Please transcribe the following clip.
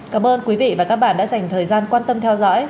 cảm ơn quý vị và các bạn đã dành thời gian quan tâm theo dõi